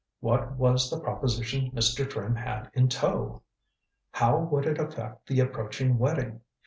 What was the proposition Mr. Trimmer had in tow? How would it affect the approaching wedding?